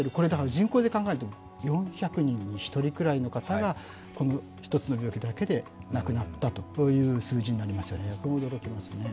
人口で考えると４００人に１人くらいの方がこの１つの病気だけで亡くなったという数字になりますね、非常に驚きますね。